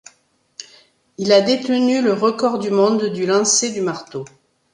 Il a détenu le record du monde du lancer du marteau.